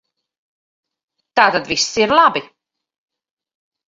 Tātad viss ir labi.